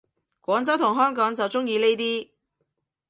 廣州同香港就鍾意呢啲